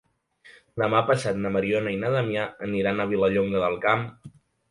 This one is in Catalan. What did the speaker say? Demà passat na Mariona i na Damià aniran a Vilallonga del Camp.